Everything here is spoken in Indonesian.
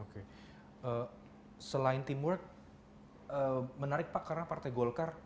oke selain teamwork menarik pak karena partai golkar